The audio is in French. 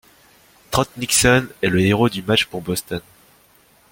Trot Nixon est le héros du match pour Boston.